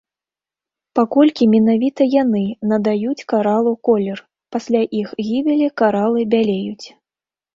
Паколькі менавіта яны надаюць каралу колер, пасля іх гібелі каралы бялеюць.